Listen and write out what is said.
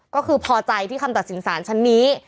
ก็คือพอใจที่คำตัดสินสารชั้นนี้